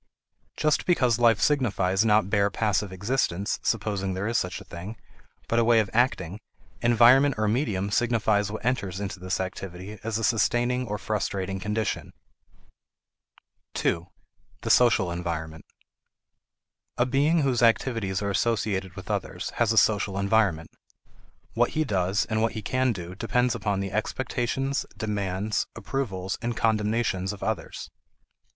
Just because life signifies not bare passive existence (supposing there is such a thing), but a way of acting, environment or medium signifies what enters into this activity as a sustaining or frustrating condition. 2. The Social Environment. A being whose activities are associated with others has a social environment. What he does and what he can do depend upon the expectations, demands, approvals, and condemnations of others.